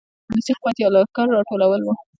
هغه د ولسي قوت یا لښکرو راټولول و.